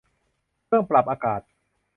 เครื่องปรับอากาศ